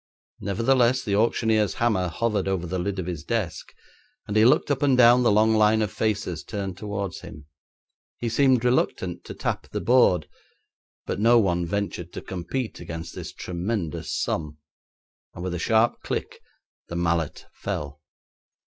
Nevertheless the auctioneer's hammer hovered over the lid of his desk, and he looked up and down the long line of faces turned towards him. He seemed reluctant to tap the board, but no one ventured to compete against this tremendous sum, and with a sharp click the mallet fell.